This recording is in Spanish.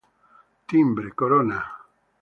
Timbre, corona.